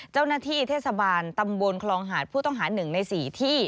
เจ้าหน้าที่เทศบาลตำบลคลองหาดผู้ต้องหา๑ใน๔ที่